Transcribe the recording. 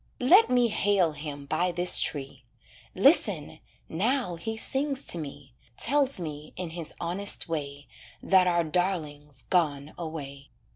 Let me hail him by this tree. Listen! now he sings to me, Tells me, in his honest way, That our darling's gone away.